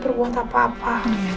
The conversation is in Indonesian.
jangan marah ya